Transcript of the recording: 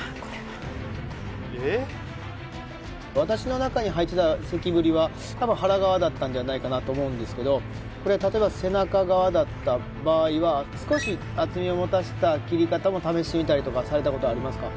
私の中に入ってた関ぶりは多分腹側だったんじゃないかなと思うんですけどこれは例えば背中側だった場合は少し厚みを持たせた切り方も試してみたりとかされたことありますか？